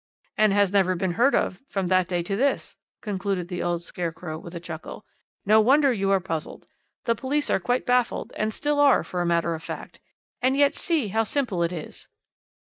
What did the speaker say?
"And has never been heard of from that day to this," concluded the old scarecrow with a chuckle. "No wonder you are puzzled. The police were quite baffled, and still are, for a matter of that. And yet see how simple it is!